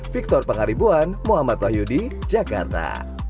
victor pangaribuan muhammad wahyudi jakarta